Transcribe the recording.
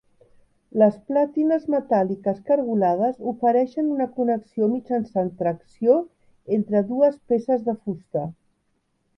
Les platines metàl·liques cargolades ofereixen una connexió mitjançant tracció entre dues peces de fusta.